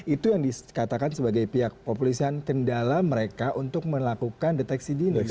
itu yang dikatakan sebagai pihak populisan kendala mereka untuk melakukan deteksi dini